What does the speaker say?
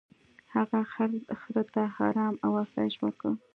هغه خر ته ارام او آسایش ورکړ.